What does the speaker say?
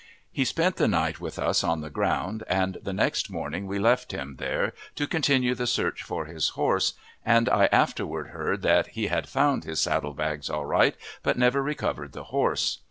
He spent the night with us on the ground, and the next morning we left him there to continue the search for his horse, and I afterward heard that he had found his saddle bags all right, but never recovered the horse.